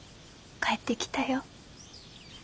帰ってきたよ。